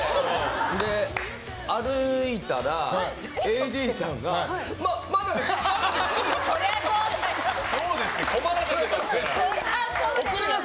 で、歩いたらＡＤさんがままだです！